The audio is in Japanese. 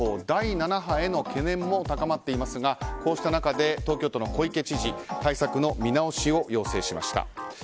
第７波への懸念も高まっていますがこうした中で、東京都の小池知事対策の見直しを要請しました。